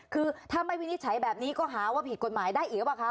คือถ้าไม่วินิจฉัยแบบนี้ก็หาว่าผิดกฎหมายได้อีกหรือเปล่าคะ